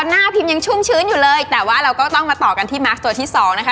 หน้าพิมยังชุ่มชื้นอยู่เลยแต่ว่าเราก็ต้องมาต่อกันที่มาร์คตัวที่สองนะคะ